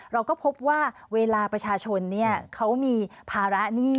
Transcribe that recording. เราก็พบว่าเวลาประชาชนเขามีภาระหนี้